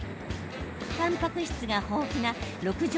たんぱく質が豊富な六条